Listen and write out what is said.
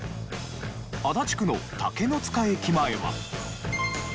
足立区の竹の塚駅前は。